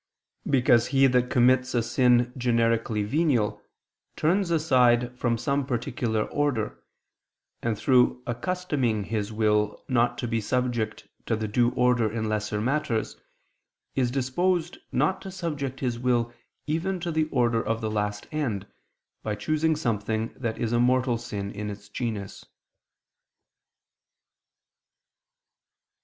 Because he that commits a sin generically venial, turns aside from some particular order; and through accustoming his will not to be subject to the due order in lesser matters, is disposed not to subject his will even to the order of the last end, by choosing something that is a mortal sin in its genus.